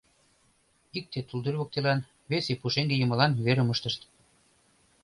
Икте тулдӱр воктелан, весе пушеҥге йымалан верым ыштышт.